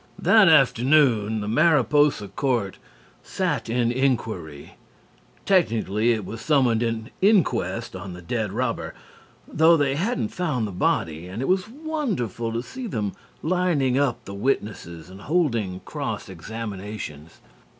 That afternoon the Mariposa court sat in enquiry, technically it was summoned in inquest on the dead robber though they hadn't found the body and it was wonderful to see them lining up the witnesses and holding cross examinations.